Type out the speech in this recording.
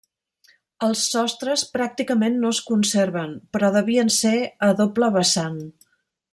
Els sostres pràcticament no es conserven, però devien ser a doble vessant.